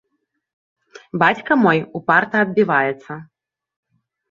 Бацька мой упарта адбіваецца.